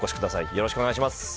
よろしくお願いします